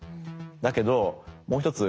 だけどもう一つ